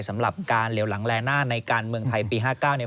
สำหรับการเหลวหลังแลหน้าในการเมืองไทยปี๕๙เนี่ย